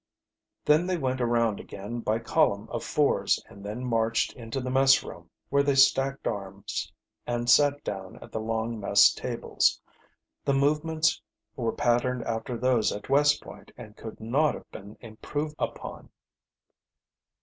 Then they went around again by column of fours, and then marched into the messroom, where they stacked arms and sat down at the long mess tables. The movements were patterned after those at West Point, and could not have been improved upon.